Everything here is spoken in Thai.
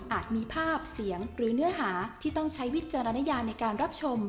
มีภาพเสียงหรือเนื้อหาที่ต้องใช้วิจารณญาในการรับชม